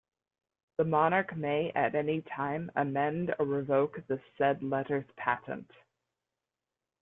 The monarch may at any time amend or revoke the said letters patent.